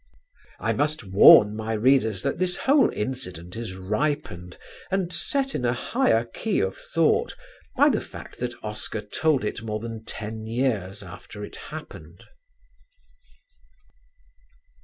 '" I must warn my readers that this whole incident is ripened and set in a higher key of thought by the fact that Oscar told it more than ten years after it happened.